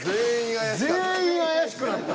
全員怪しかった。